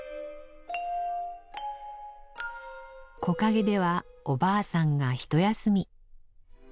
木陰ではおばあさんがひと休み。